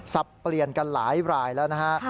สับเปลี่ยนกันหลายรายแล้วนะฮะ